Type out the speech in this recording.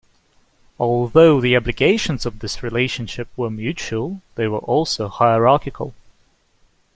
Although the obligations of this relationship were mutual, they were also hierarchical.